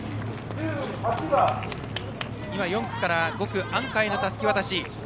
４区から５区アンカーへのたすき渡し。